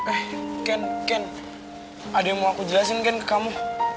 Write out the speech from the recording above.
eh ken ken ada yang mau aku jelasin kan ke kamu